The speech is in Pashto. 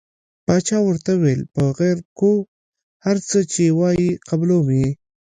باچا ورته وویل پر غیر کوو هر څه چې وایې قبلووم.